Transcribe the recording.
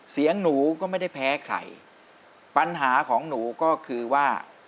เสียงหนูก็ไม่ได้แพ้ใครปัญหาของหนูก็คือว่า